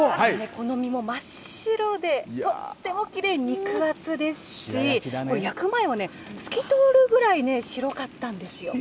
この身も真っ白で、とってもきれい、肉厚ですし、これ、焼く前はね、透き通るくらいね、白かったんですよ。